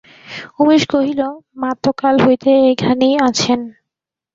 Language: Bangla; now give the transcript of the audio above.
উমেশ কহিল, মা তো কাল হইতে এখানেই আছেন।